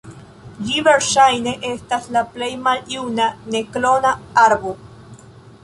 Ĝi verŝajne estas la plej maljuna ne-klona arbo.